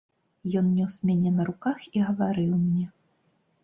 Ён нёс мяне на руках і гаварыў мне.